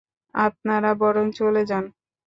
আপনারা বরং চলে যান।